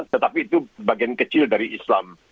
tetapi itu bagian kecil dari islam